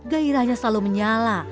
gairahnya selalu menyala